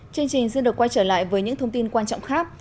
chương trình sẽ được quay trở lại với những thông tin quan trọng khác